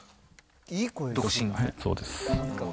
そうです。